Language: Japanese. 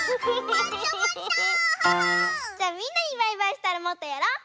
じゃあみんなにバイバイしたらもっとやろう！